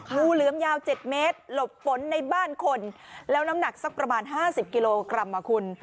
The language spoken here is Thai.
งูเหลือมยาว๗เมตรหลบฝนในบ้านคนแล้วน้ำหนักสักประมาณ๕๐กิโลกรัมอ่ะคุณ